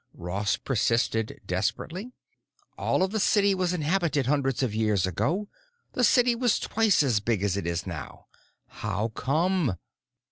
Ross persisted desperately. "All of the city was inhabited hundreds of years ago—the city was twice as big as it is now. How come?"